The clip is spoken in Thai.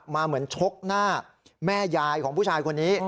เหมือนชกหน้าแม่ยายของผู้ชายคนนี้